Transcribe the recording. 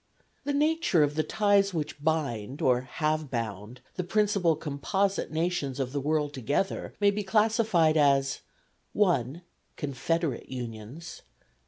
The nature of the ties which bind, or have bound, the principal composite nations of the world together may be classified as 1. Confederate unions.